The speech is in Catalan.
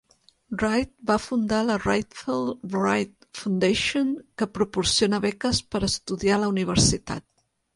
Wright va fundar la Rayfield Wright Foundation, que proporciona beques per estudiar a la universitat.